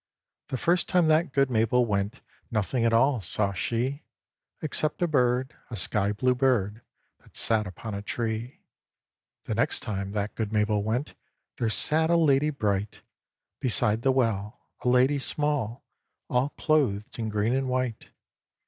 The first time that good Mabel went, Nothing at all saw she, Except a bird, a sky blue bird, That sat upon a tree. The next time that good Mabel went, There sat a lady bright Beside the well, a lady small, All clothed in green and white.